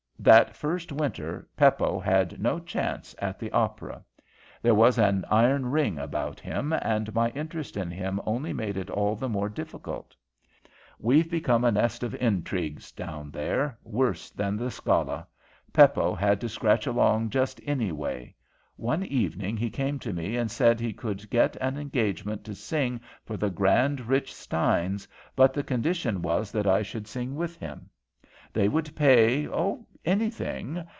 "That first winter Peppo had no chance at the Opera. There was an iron ring about him, and my interest in him only made it all the more difficult. We've become a nest of intrigues down there; worse than the Scala. Peppo had to scratch along just any way. One evening he came to me and said he could get an engagement to sing for the grand rich Steins, but the condition was that I should sing with him. They would pay, oh, anything!